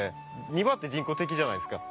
庭って人工的じゃないですか。